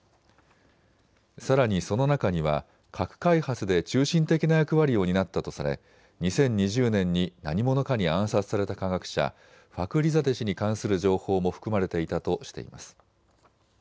さらにその中には核開発で中心的な役割を担ったとされ２０２０年に何者かに暗殺された科学者、ファクリザデ氏に関する情報も含まれていたとしています。